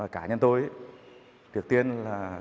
cả nhân tôi trước tiên là